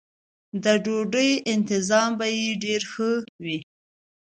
د ډوډۍ انتظام به یې ډېر ښه و.